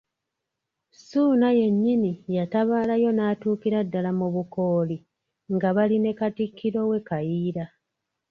Ssuuna yennyini yatabaalayo n'atuukira ddala mu Bukooli nga bali ne Katikkiro we Kayiira.